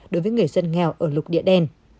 đối với người dân nghèo ở lục địa đen